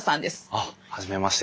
あっ初めまして。